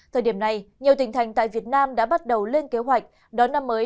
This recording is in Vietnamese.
thời điểm này nhiều tỉnh thành tại việt nam đã bắt đầu lên kế hoạch đón năm mới hai nghìn hai mươi hai